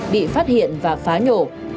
bị phát hiện và phá nhổ